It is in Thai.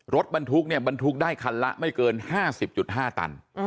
รถบรรทุกเนี่ยบรรทุกได้คันละไม่เกิน๕๐๕ตัน